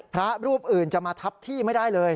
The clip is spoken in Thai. พระรูปอื่นจะมาทับที่ไม่ได้เลย